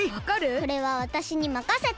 これはわたしにまかせて！